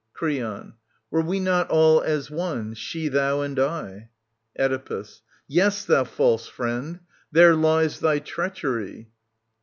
Creon. Were we not all as one, she thou and I ? Oedipus. Yes, thou false friend ! There lies thy treachery.